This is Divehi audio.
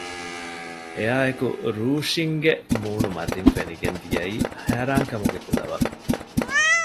އެއާއެކު ރޫޝިންގެ މޫނުމަތިން ފެނިގެން ދިޔައީ ހައިރާންކަމުގެ ކުލަވަރު